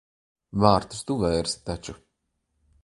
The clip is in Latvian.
Vārtus tu vērsi taču.